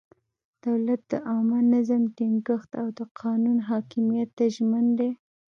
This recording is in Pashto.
دولت د عامه نظم ټینګښت او د قانون حاکمیت ته ژمن دی.